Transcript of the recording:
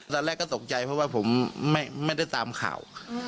ตอนแรกก็ตกใจเพราะว่าผมไม่ได้ตามข่าว